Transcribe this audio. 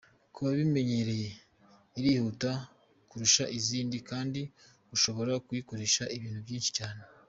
Ku babimenyereye, irihuta kurusha izindi kandi ushobora kuyikoresha ibintu byinshi cyane.